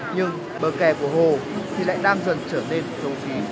nhưng bờ kè của hồ thì lại đang dần trở nên dâu phí